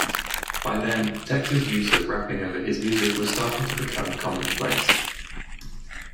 By then, Tex's use of rapping over his music was starting to become commonplace.